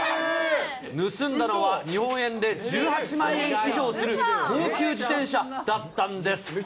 盗んだのは日本円で１８万円以上する高級自転車だったんです。